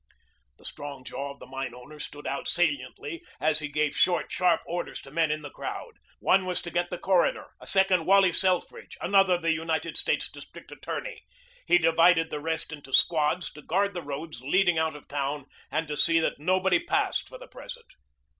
The strong jaw of the mine owner stood out saliently as he gave short, sharp orders to men in the crowd. One was to get the coroner, a second Wally Selfridge, another the United States District Attorney. He divided the rest into squads to guard the roads leading out of town and to see that nobody passed for the present.